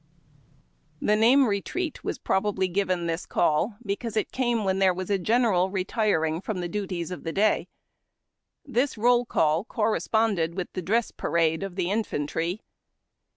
The name lietreat was probably given this call because GOING TO WATER. it came Avhen there was a general retiring from the duties of the day. This roll call corresponded with the Dress Parade of the infantry.